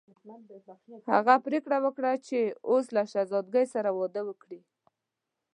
هغه پریکړه وکړه چې له شهزادګۍ سره واده وکړي.